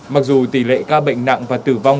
mặc dù tỷ lệ ca bệnh nặng và tử vong